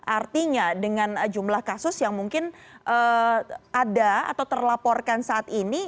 artinya dengan jumlah kasus yang mungkin ada atau terlaporkan saat ini